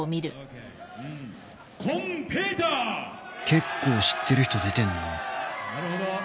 結構知ってる人出てんな